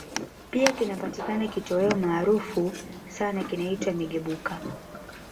Pia kinapatikana kitoweo maarufu sana kinaitwa Migebuka